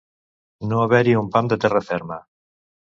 No haver-hi un pam de terra ferma.